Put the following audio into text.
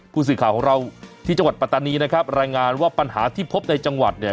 ผู้สื่อข่าวของเราที่จังหวัดปัตตานีนะครับรายงานว่าปัญหาที่พบในจังหวัดเนี่ย